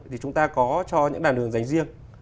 thì chúng ta có cho những đàn đường dành riêng